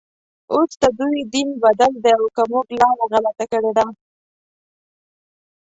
اوس ددوی دین بدل دی او که موږ لاره غلطه کړې ده.